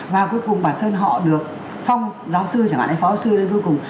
và cuối cùng bản thân họ được phong giáo sư chẳng hạn hay phó sư đến cuối cùng